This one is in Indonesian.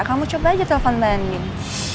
kamu coba aja telfon mbak ending